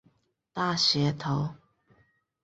大学头。